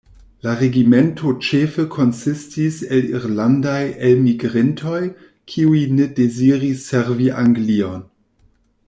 La regimento ĉefe konsistis el irlandaj elmigrintoj, kiuj ne deziris servi Anglion.